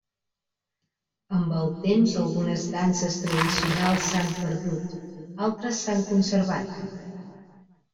Amb el temps algunes danses tradicionals s'han perdut, altres s'han conservat.